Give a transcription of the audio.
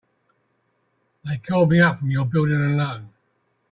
They called me up from your Building and Loan.